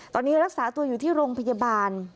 ตอนนี้รักษาตัวอยู่ที่โรงพยาบาล